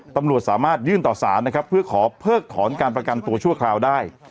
ตำรวจสามารถยื่นต่อสารนะครับเพื่อขอเพิกถอนการประกันตัวชั่วคราวได้